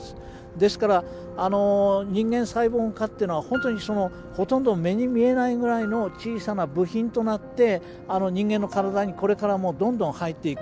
ですから人間サイボーク化っていうのは本当にほとんど目に見えないぐらいの小さな部品となって人間の体にこれからもどんどん入っていく。